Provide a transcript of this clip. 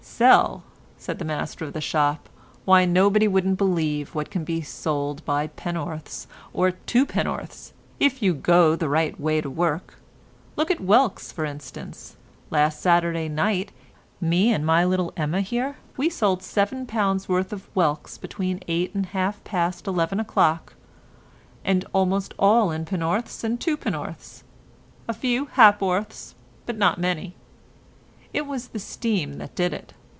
"Sell," said the master of the shop, "Why nobody wouldn't believe what can be sold by penn'orths and twopenn'orths if you go the right way to work. Look at whelks, for instance. Last Saturday night me and my little Emma here, we sold £7 worth of whelks between eight and half past eleven o'clock—and almost all in penn'orths and twopenn'orths—a few, hap'orths, but not many. It was the steam that did it.